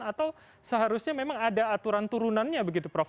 atau seharusnya memang ada aturan turunannya begitu prof